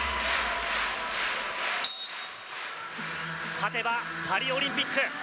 勝てばパリオリンピック。